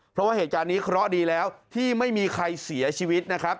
เพราะว่าเหตุการณ์นี้เคราะห์ดีแล้วที่ไม่มีใครเสียชีวิตนะครับ